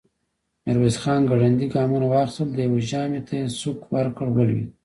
ميرويس خان ګړندي ګامونه واخيستل، د يوه ژامې ته يې سوک ورکړ، ولوېد.